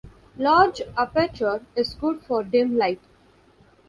Large aperture is good for dim light.